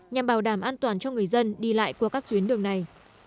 nhằm bảo đảm an toàn cho người dân đi lại qua các tuyến đường này